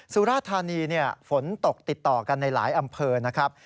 สุราธานีฝนตกติดต่อกันในหลายอำเภอนะครับ